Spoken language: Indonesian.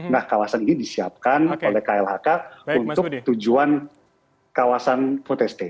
nah kawasan ini disiapkan oleh klhk untuk tujuan kawasan foodeste